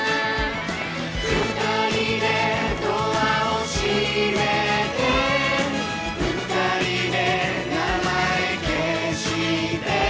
「ふたりでドアをしめてふたりで名前消して」